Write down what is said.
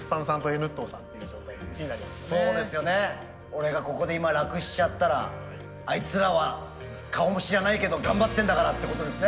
俺がここで今楽しちゃったらあいつらは顔も知らないけど頑張ってんだからってことですね。